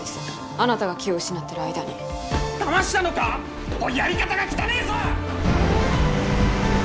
あなたが気を失ってる間にだましたのかおいやり方が汚えぞ！